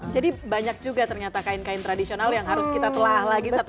jadi banyak juga ternyata kain kain tradisional yang harus kita telah lagi satu persatu